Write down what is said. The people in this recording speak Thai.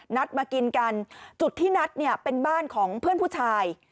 นัดมากินกันจุดที่นัดเนี่ยเป็นบ้านของเพื่อนผู้ชาย